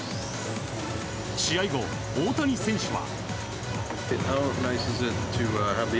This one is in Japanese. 試合後、大谷選手は。